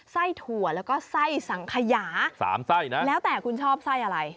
ไส้ถั่วแล้วก็ไส้สังขยะแล้วแต่คุณชอบไส้อะไร